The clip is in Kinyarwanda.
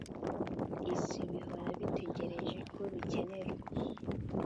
isi, bihora bitegereje ko bikenerwa,